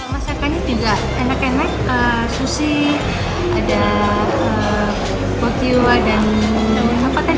masakannya juga enak enak sushi ada botiwa dan apa kan